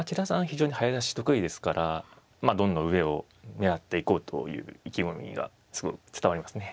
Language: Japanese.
非常に早指し得意ですからまあどんどん上を狙っていこうという意気込みがすごく伝わりますね。